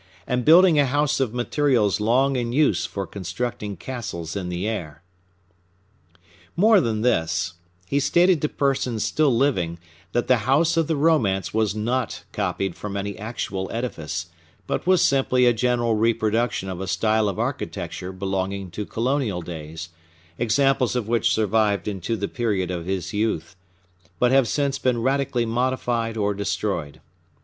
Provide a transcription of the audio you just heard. and building a house of materials long in use for constructing castles in the air." More than this, he stated to persons still living that the house of the romance was not copied from any actual edifice, but was simply a general reproduction of a style of architecture belonging to colonial days, examples of which survived into the period of his youth, but have since been radically modified or destroyed.